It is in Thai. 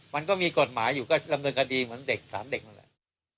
มันก็มีกฎหมายอยู่ก็ดำเนินคดีเหมือนเด็ก๓เด็กนั่นแหละ